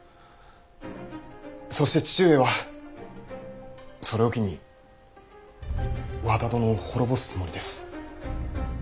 そして父上はそれを機に和田殿を滅ぼすつもりです。